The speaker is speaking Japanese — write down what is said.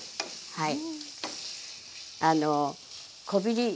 はい。